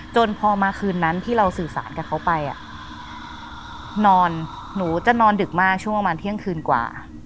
จนพอมาคืนนั้นที่เราสื่อสารกับเขาไปอ่ะนอนหนูจะนอนดึกมากช่วงประมาณเที่ยงคืนกว่า